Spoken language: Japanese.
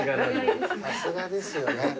さすがですよね。